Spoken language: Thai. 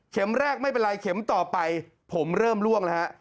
เข็มแรกไม่เป็นไรเข็มต่อไปผมเริ่มล่วงนะครับ